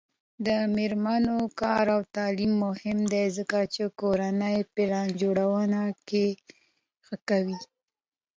د میرمنو کار او تعلیم مهم دی ځکه چې کورنۍ پلان جوړونې ښه کوي.